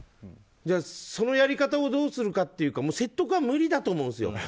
じゃあ、そのやり方をどうするかというか説得は無理だと思うんですよ。